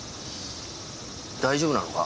大丈夫なのか？